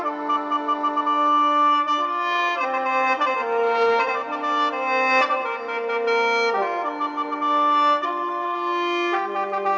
มีผู้โดยฝั่งนระเบินผู้โดยสงสัยผู้ฝั่งไก่ชะมัด